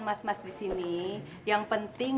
mas mas di sini yang penting